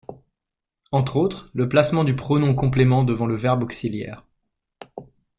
Entre autres, le placement du pronom complément devant le verbe auxiliaire.